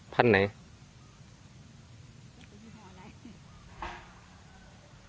พันไหน